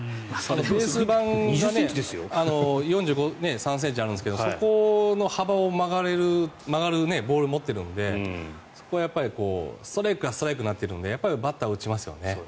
ベース板が４３ｃｍあるんですがそこの幅を曲がるボールを持ってるのでそこはストライクからストライクになってるのでバッターは打ちますよね。